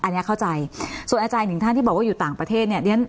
อันนี้เข้าใจส่วนอาจารย์หนึ่งท่านที่บอกว่าอยู่ต่างประเทศเนี่ย